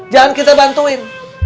jangan kita bantuin